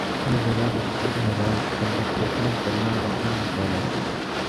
یِہ جگہ پر شکاری حضرات خندق کھودنا کرنا رکھنا ہونا